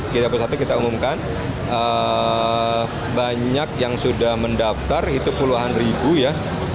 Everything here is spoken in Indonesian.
kita bersatu kita umumkan banyak yang sudah mendaftar itu puluhan ribu ya